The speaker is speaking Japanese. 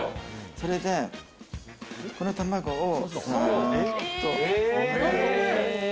それで、この卵を。